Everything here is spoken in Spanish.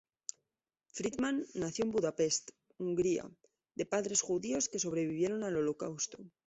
Friedman nació en Budapest, Hungría de padres judíos que sobrevivieron al Holocausto.